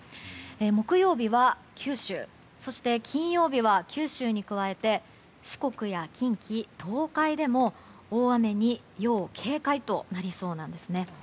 木曜日は九州そして金曜日は九州に加えて四国や近畿、東海でも大雨に要警戒となりそうなんですね。